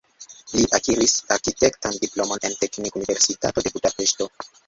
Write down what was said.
Li akiris arkitektan diplomon en Teknikuniversitato de Budapeŝto.